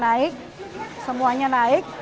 semuanya naik harga harga yang diperlukan juga naik